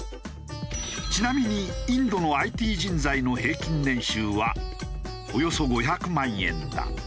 ちなみにインドのＩＴ人材の平均年収はおよそ５００万円だ。